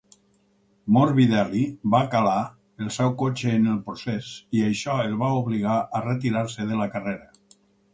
Morbidelli va calar el seu cotxe en el procés, i això el va obligar a retirar-se de la carrera.